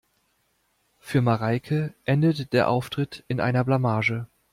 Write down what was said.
Für Mareike endete der Auftritt in einer Blamage.